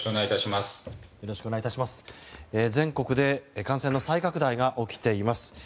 全国で感染の再拡大が起きています。